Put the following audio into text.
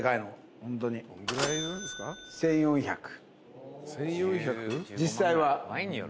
１，４００。